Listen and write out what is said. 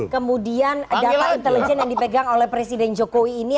kemudian data intelijen yang dipegang oleh presiden jokowi ini